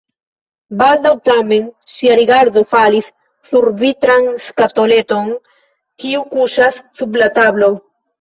Baldaŭ tamen ŝia rigardo falis sur vitran skatoleton, kiu kuŝas sub la tablo.